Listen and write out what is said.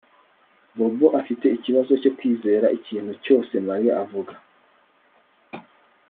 Bobo afite ikibazo cyo kwizera ikintu cyose Mariya avuga